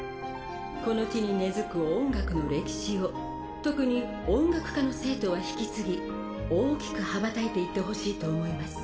この地に根づく音楽の歴史を特に音楽科の生徒は引き継ぎ大きく羽ばたいていってほしいと思います。